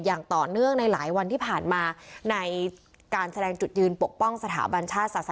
อย่างต่อเนื่องในหลายวันที่ผ่านมาในการแสดงจุดยืนปกป้องสถาบันชาติศาสนา